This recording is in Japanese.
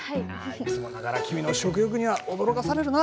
いつもながら君の食欲には驚かされるな。